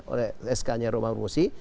oleh sknya romang rumusi